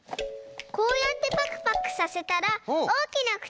こうやってパクパクさせたらおおきなくちになりそう！